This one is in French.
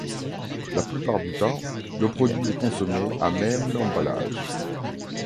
La plupart du temps, le produit est consommé à même l’emballage.